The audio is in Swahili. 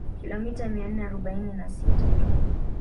Kilomita mia nne arobaini na sita tu